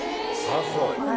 あぁそう。